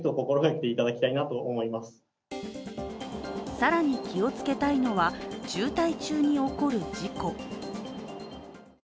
更に気をつけたいのは渋滞中に起こる事故。